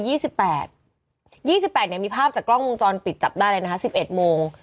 ๒๘เนี่ยมีภาพจากกล้องวงจรปิดจับได้เลยนะคะ๑๑โมง